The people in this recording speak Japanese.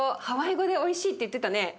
ハワイ語で「おいしい」って言ってたね。